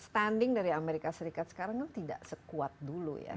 standing dari amerika serikat sekarang kan tidak sekuat dulu ya